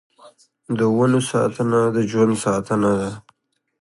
د ونو ساتنه د ژوند ساتنه ده.